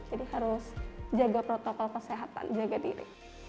jadi harus jaga protokol kesehatan jaga diri